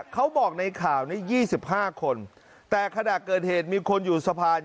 เขาบอกในข่าวนี้๒๕คนแต่ขณะเกิดเหตุมีคนอยู่สะพาน